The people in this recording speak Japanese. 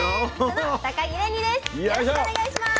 よろしくお願いします。